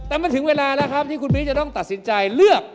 แต่มันถึงเวลาแล้วครับที่คุณมิ้นจะต้องตัดสินใจเลือก